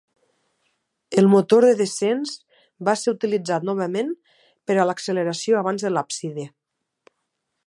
El motor de descens va ser utilitzat novament per a l'acceleració abans de l'àpside.